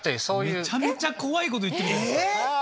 めちゃめちゃ怖いこと言ってるじゃないですか。